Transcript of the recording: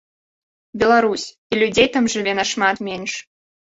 Беларусь, і людзей там жыве нашмат менш!